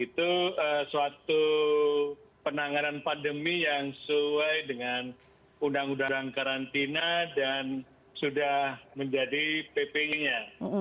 itu suatu penanganan pandemi yang sesuai dengan undang undang karantina dan sudah menjadi ppi nya